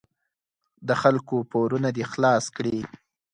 د خلکو پورونه دې خلاص کړي.